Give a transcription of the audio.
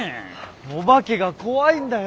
お化けが怖いんだよ。